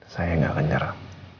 saya gak akan nyarah